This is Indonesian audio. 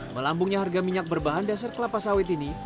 melambungnya harga minyak berbahan dasar kelapa sawit ini